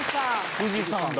富士山だ。